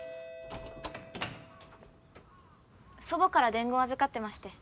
祖母から伝言預かってまして。